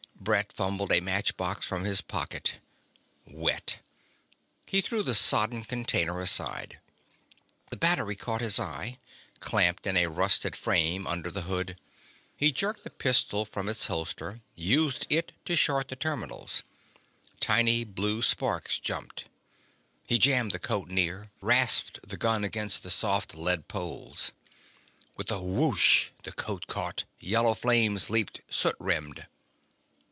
Brett fumbled a match box from his pocket. Wet. He threw the sodden container aside. The battery caught his eye, clamped in a rusted frame under the hood. He jerked the pistol from its holster, used it to short the terminals. Tiny blue sparks jumped. He jammed the coat near, rasped the gun against the soft lead poles. With a whoosh! the coat caught; yellow flames leaped, soot rimmed.